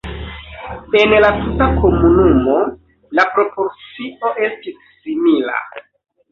En la tuta komunumo la proporcio estis simila.